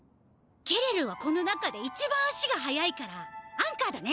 ケレルはこの中でいちばん足が速いからアンカーだね。